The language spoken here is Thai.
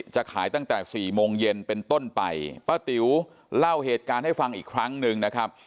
จะขายตั้งแต่สี่โมงเย็นเป็นต้นไปป้าติ๋วเล่าเหตุการณ์ให้ฟังอีกครั้งหนึ่งนะครับ